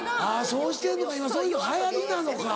そうしてんのか今そういうのが流行りなのか。